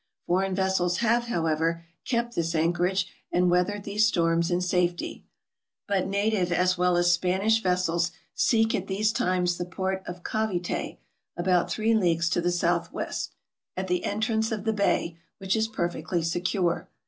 Foreign vessels have, however, kept this anchorage, and weathered these storms in safety; but na tive as well as Spanish vessels seek at these times the port of Cavite, about three leagues to the south west, at the en trance of the bay, which is perfectly secure.